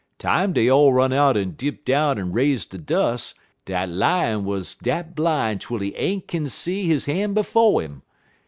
time dey all run out en dip down en raise de dus', de Lion wuz dat blin' twel he ain't kin see he han' befo' 'im.